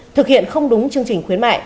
thực hiện không đúng chương trình khuyến mại